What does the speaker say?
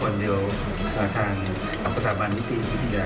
รอคนเดี๋ยวทางสถาบันวิธีวิทยา